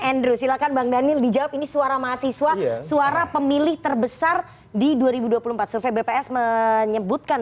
andrew silahkan bang daniel dijawab ini suara mahasiswa suara pemilih terbesar di dua ribu dua puluh empat survei bps menyebutkan